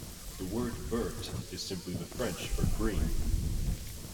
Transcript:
The word "vert" is simply the French for "green".